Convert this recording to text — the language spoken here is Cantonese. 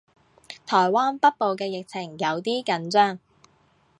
台灣北部嘅疫情有啲緊張